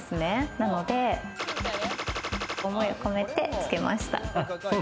なので、思いを込めてつけました。